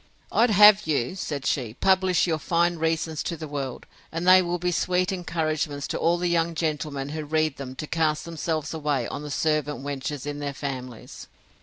I'd have you, said she, publish your fine reasons to the world, and they will be sweet encouragements to all the young gentlemen who read them to cast themselves away on the servant wenches in their families.